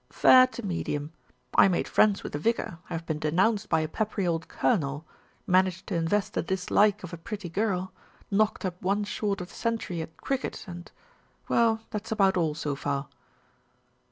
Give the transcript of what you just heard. "Fair to medium. I made friends with the vicar, have been denounced by a peppery old colonel, man aged to invest the dislike of a pretty girl, knocked up one short of the century at cricket, and well, that's about all so far."